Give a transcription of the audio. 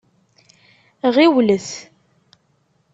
Ɣiwlet!